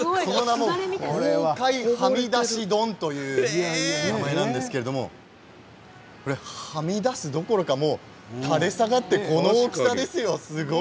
「豪快！はみだし丼」という名前なんですけどはみ出すどころか垂れ下がってこの大きさですよ。